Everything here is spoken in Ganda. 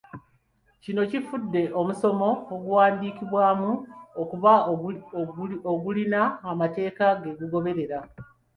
Kino kifudde omusono oguwandiikibwamu okuba ng’ogulina amateeka ge gugoberera.